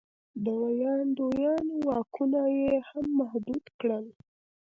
د ویاندویانو واکونه یې هم محدود کړل.